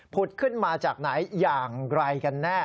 ขึ้นมาจากไหนอย่างไรกันแน่